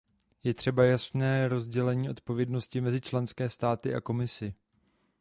Je třeba jasné rozdělení odpovědnosti mezi členské státy a Komisi.